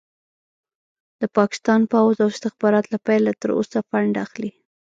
د پاکستان پوځ او استخبارات له پيله تر اوسه فنډ اخلي.